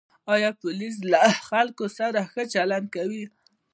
آیا پولیس له خلکو سره ښه چلند کوي؟